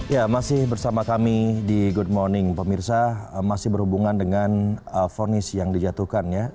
ya masih bersama kami di good morning pemirsa masih berhubungan dengan fonis yang dijatuhkan ya